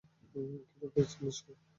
খিদে পেয়েছে নিশ্চয়ই।